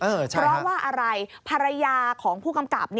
เพราะว่าอะไรภรรยาของผู้กำกับ